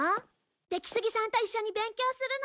出木杉さんと一緒に勉強するの。